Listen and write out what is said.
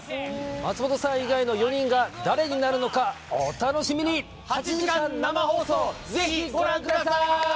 松本さん以外の４人が誰になるのかお楽しみに８時間生放送ぜひご覧ください